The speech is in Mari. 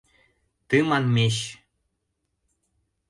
— Ты... манмещ!